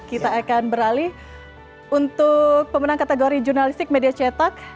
kita akan beralih untuk pemenang kategori jurnalistik media cetak